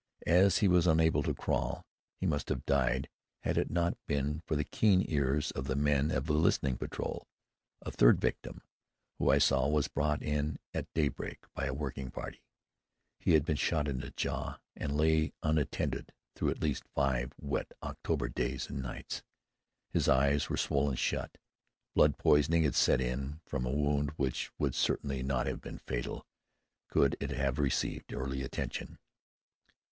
As he was unable to crawl, he must have died had it not been for the keen ears of the men of the listening patrol. A third victim whom I saw was brought in at daybreak by a working party. He had been shot in the jaw and lay unattended through at least five wet October days and nights. His eyes were swollen shut. Blood poisoning had set in from a wound which would certainly not have been fatal could it have received early attention.